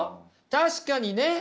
確かにね。